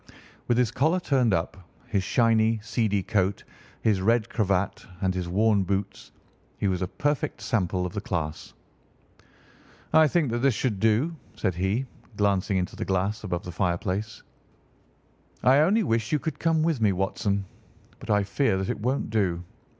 With his collar turned up, his shiny, seedy coat, his red cravat, and his worn boots, he was a perfect sample of the class. "I think that this should do," said he, glancing into the glass above the fireplace. "I only wish that you could come with me, Watson, but I fear that it won't do.